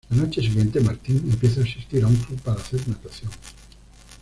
La noche siguiente, Martín empieza a asistir a un club para hacer natación.